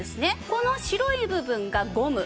この白い部分がゴム。